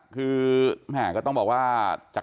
คือแม่ก็ต้องบอกว่า